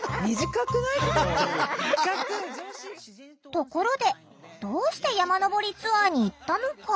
ところでどうして山登りツアーに行ったのか？